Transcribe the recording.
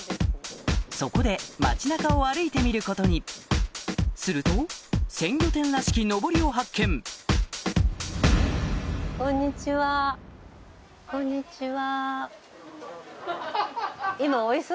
そこで町中を歩いてみることにすると鮮魚店らしきのぼりを発見こんにちは。